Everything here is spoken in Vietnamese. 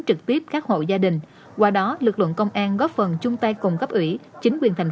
trực tiếp các hộ gia đình qua đó lực lượng công an góp phần chung tay cùng cấp ủy chính quyền thành